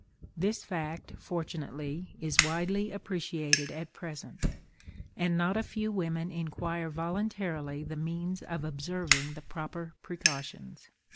This fact fortunately is widely appreciated at present, and not a few women inquire voluntarily the means of observing the proper precautions.